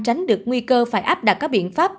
tránh được nguy cơ phải áp đặt các biện pháp